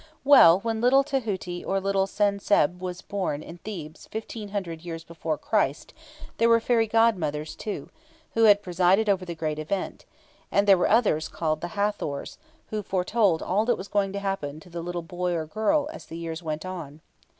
Well, when little Tahuti or little Sen senb was born in Thebes fifteen hundred years before Christ, there were fairy godmothers too, who presided over the great event; and there were others called the Hathors, who foretold all that was going to happen to the little boy or girl as the years went on.